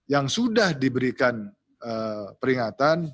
yang sudah diberikan peringatan